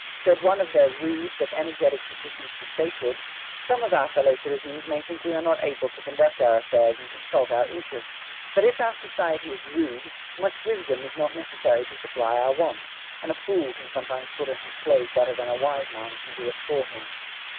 Said one of their rude, but energetic petitions for statehood: "Some of our fellow citizens may think we are not able to conduct our affairs and consult our interests; but if our society is rude, much wisdom is not necessary to supply our wants, and a fool can sometimes put on his clothes better than a wise man can do it for him."